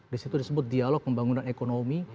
di situ disebut dialog pembangunan ekonomi